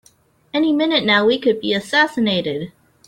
Any minute now we could be assassinated!